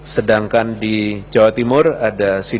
sedangkan di jawa timur ada sidoarjo mojokerto